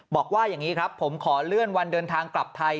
บอกว่าอย่างนี้ครับผมขอเลื่อนวันเดินทางกลับไทย